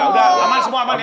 udah aman semua aman ya